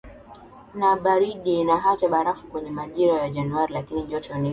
kuna baridi na hata barafu kwenye majira ya Januari lakini joto ni